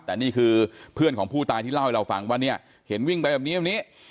แต่นี่คือเพื่อนของผู้ตายที่เล่าให้เราฟังว่าเนี่ยเห็นวิ่งไปแบบนี้แบบนี้